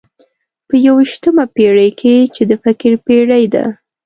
په یوویشتمه پېړۍ کې چې د فکر پېړۍ ده.